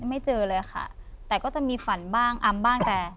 ไม่เจอเลยค่ะแต่ก็จะมีฝันบ้างอำบ้างแต่